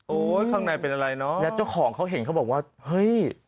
ข้างในเป็นอะไรเนอะแล้วเจ้าของเขาเห็นเขาบอกว่าเฮ้ย